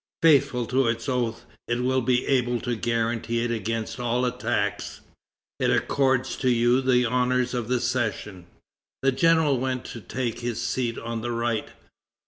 Faithful to its oath, it will be able to guarantee it against all attacks. It accords to you the honors of the session." The general went to take his seat on the right.